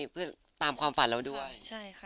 เพื่อตามความฝันเราด้วยใช่ค่ะ